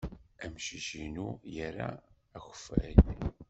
Amcic-inu ira akeffay.